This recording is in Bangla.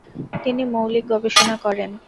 তিনি মৌলিক গবেষণা করেন।